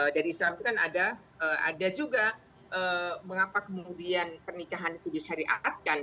dari islam itu kan ada juga mengapa kemudian pernikahan itu disyariatkan